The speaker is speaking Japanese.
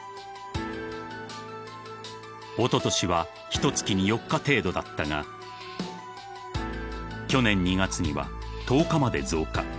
［おととしはひとつきに４日程度だったが去年２月には１０日まで増加］